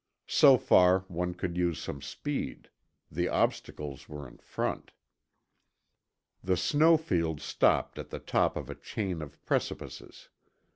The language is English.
So far, one could use some speed; the obstacles were in front. The snow field stopped at the top of a chain of precipices.